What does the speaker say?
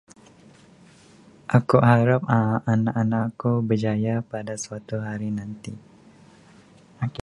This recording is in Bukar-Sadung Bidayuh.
Aku arep uhh anak-anak ku berjaya pada suatu hari nanti.